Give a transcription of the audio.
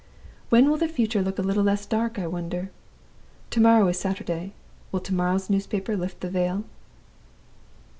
When will the future look a little less dark, I wonder? To morrow is Saturday. Will to morrow's newspaper lift the veil?"